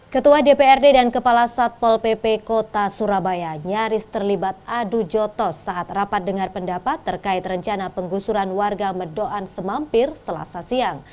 ketua dprd dan kepala satpol pp kota surabaya nyaris terlibat adu jotos saat rapat dengar pendapat terkait rencana penggusuran warga medoan semampir selasa siang